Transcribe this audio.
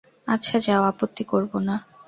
আচ্ছা, যাও, আপত্তি করব না।